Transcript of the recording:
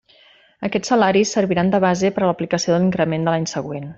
Aquests salaris serviran de base per a l'aplicació de l'increment de l'any següent.